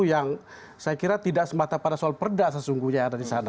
yang saya kira tidak semata pada soal perda sesungguhnya yang ada di sana